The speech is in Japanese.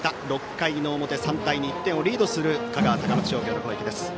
６回の表、３対２１点をリードする香川・高松商業の攻撃。